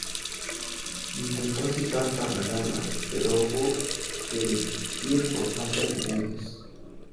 Intentó sitiar Tarragona, pero hubo de desistir por falta de medios.